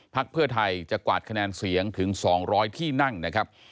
เพื่อไทยจะกวาดคะแนนเสียงถึง๒๐๐ที่นั่งนะครับ